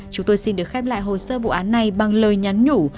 chúng tôi xin được khép lại hồ sơ vụ án này bằng lời nhắn nhủ